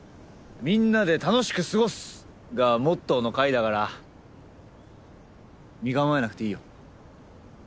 「みんなで楽しく過ごす」がモットーの会だから身構えなくていいよ。